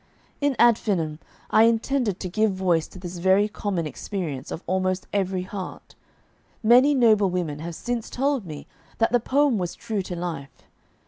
In "Ad Finem" I intended to give voice to this very common experience of almost every heart. Many noble women have since told me that the poem was true to life.